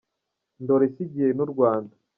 Ndora isigiye n’u Rwanda.